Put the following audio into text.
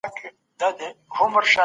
منفي خلک په رڼا کې تیاره ویني.